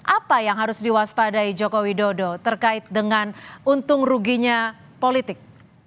apa yang harus diwaspadai joko widodo terkait dengan untung ruginya politik